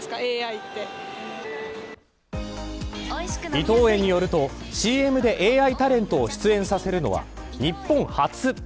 伊藤園によるとＣＭでＡＩタレントを出演させるのは日本初。